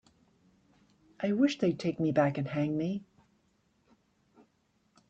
I wish they'd take me back and hang me.